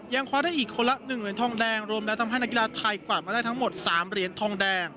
คว้าได้อีกคนละ๑เหรียญทองแดงรวมแล้วทำให้นักกีฬาไทยกวาดมาได้ทั้งหมด๓เหรียญทองแดง